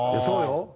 そうよ。